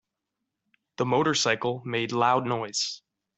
The motorcycle made loud noise.